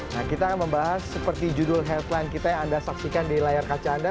nah kita akan membahas seperti judul headline kita yang anda saksikan di layar kaca anda